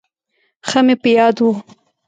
ښه مې په یاد و.